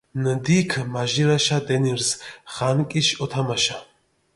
ნდიქჷ მაჟირაშა დენირზ ღანკიში ჸოთამაშა.